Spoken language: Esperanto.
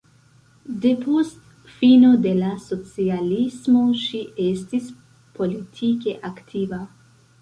Depost fino de la socialismo ŝi estis politike aktiva.